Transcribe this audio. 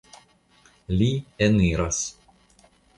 Li eniras.